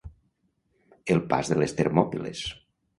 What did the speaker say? El pas de les Termòpiles.